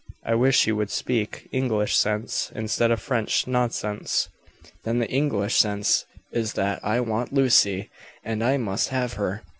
"I wish you would speak English sense, instead of French nonsense." "Then the English sense is that I want Lucy and I must have her.